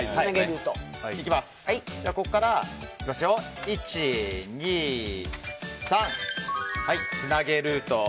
ここから、１、２、３。つなげルート。